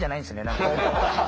何か。